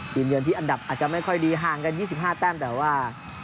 เยือนที่อันดับอาจจะไม่ค่อยดีห่างกัน๒๕แต้มแต่ว่า